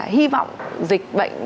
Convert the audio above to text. hy vọng dịch bệnh